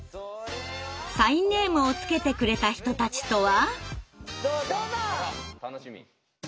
サインネームをつけてくれた人たちとは？